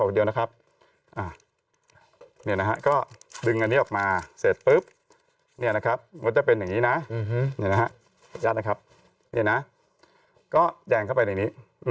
นี่นะครับก็ดึงอันนี้ออกมาเสร็จปุ๊บนี่นะครับมันจะเป็นอย่างนี้นะนี่นะครับยัดนะครับนี่นะก็แย่งเข้าไปอย่างนี้